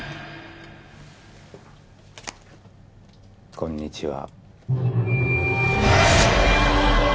・こんにちは。